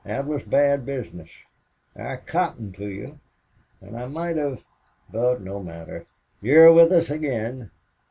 "That was bad business. I cottoned to you and I might have But no matter. You're with us again."